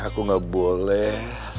aku gak boleh